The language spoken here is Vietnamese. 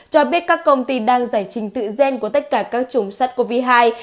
cho biết các công ty đang giải trình tự gen của tất cả các chủng sắt covid hai